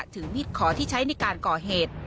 มิดขอที่ใช้ในการก่อเหตุ